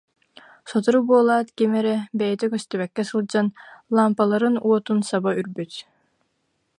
Сотору буолаат, ким эрэ, бэйэтэ көстүбэккэ сылдьан, лаампаларын уотун саба үрбүт